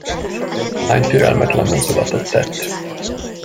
A lány türelmetlen mozdulatot tett.